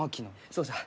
そうじゃ。